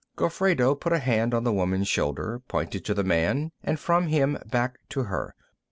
Gofredo put a hand on the woman's shoulder, pointed to the man and from him back to her.